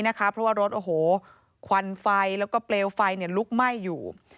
เพราะว่ารถโอ้โหควันไฟแล้วก็เปลวไฟลุกไหม้อยู่